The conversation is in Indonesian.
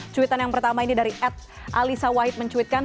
cuitan yang pertama ini dari ed alisa wahid mencuitkan